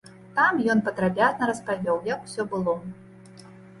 Там ён падрабязна распавёў, як усё было.